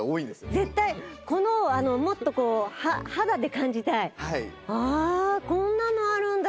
絶対このもっとこうああこんなのあるんだ！